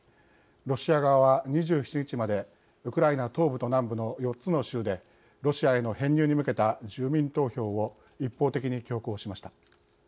ロシア側は、２７日までウクライナ東部と南部の４つの州でロシアへの編入に向けた住民投票を一方的に強行しました。